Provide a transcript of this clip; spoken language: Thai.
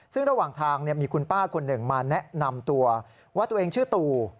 ซึ่งระหว่างทางมีคุณป้าคนหนึ่งมาแนะนำตัวว่าตัวเองชื่อตู่